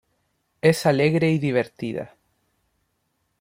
Es alegre y divertida.